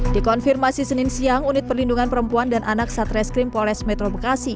dikonfirmasi senin siang unit perlindungan perempuan dan anak satreskrim polres metro bekasi